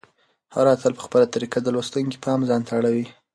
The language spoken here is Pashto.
هر اتل په خپله طریقه د لوستونکي پام ځانته اړوي.